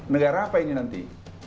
negara apa ini nanti